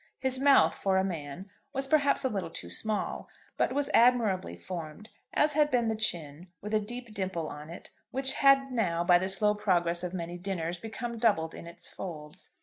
His mouth, for a man, was perhaps a little too small, but was admirably formed, as had been the chin with a deep dimple on it, which had now by the slow progress of many dinners become doubled in its folds.